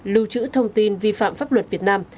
lưu trữ thông tin vi phạm pháp luật việt nam